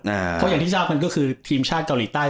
เพราะอย่างที่ทราบกันก็คือทีมชาติเกาหลีใต้